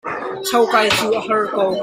Cho kai cu a har ko.